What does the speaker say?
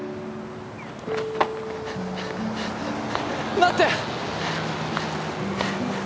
待って！